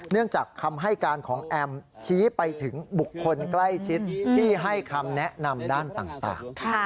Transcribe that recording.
จากคำให้การของแอมชี้ไปถึงบุคคลใกล้ชิดที่ให้คำแนะนำด้านต่าง